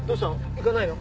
行かないの？